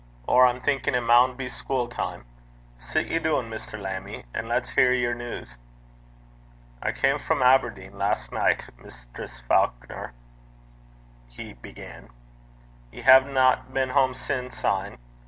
Or I'm thinkin' it maun be schule time. Sit ye doon, Mr. Lammie, and lat's hear yer news.' 'I cam frae Aberdeen last nicht, Mistress Faukner,' he began. 'Ye haena been hame sin' syne?'